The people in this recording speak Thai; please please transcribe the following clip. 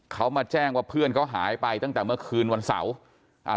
เขามาแจ้งว่าเพื่อนเขาหายไปตั้งแต่เมื่อคืนวันเสาร์อ่า